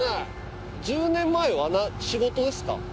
１０年前は仕事ですか？